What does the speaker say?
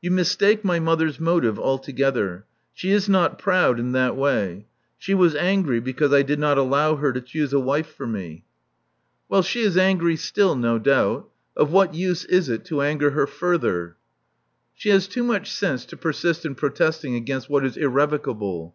*'You mistake my mother's motive altogether. She is not proud — in that way. She was angry because I did not allow her to choose a wife for me." 328 Love Among the Artists Well, she is angry still, no doubt. Of what use is it to anger her further?" She has too much sense to persist in protesting against what is irrevocable.